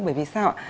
bởi vì sao ạ